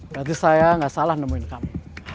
berarti saya gak salah nemuin kamu